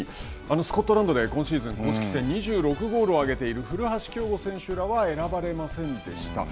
スコットランドで、今シーズン、２６ゴール挙げている、古橋亨梧選手らは選ばれませんでした。